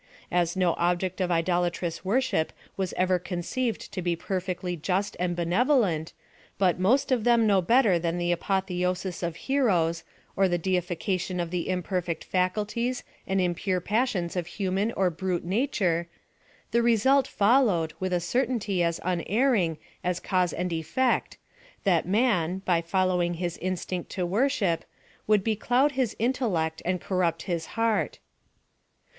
As no object of idolatrous worship was ever conceived to be perfectly just and benevolent, but most of them no better than the apotheosis of heroes, or the dei fication of the imperfect faculties and impure pas sions of human or brute nature, the result followed, with a certainty as unerring as cause and effect, that man, by following his instinct to worship, would becloud his intellect and corrupt his heart.